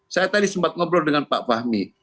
saya tadi sempat ngobrol dengan pak fahmi